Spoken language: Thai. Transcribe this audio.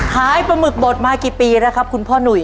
ปลาหมึกบดมากี่ปีแล้วครับคุณพ่อหนุ่ย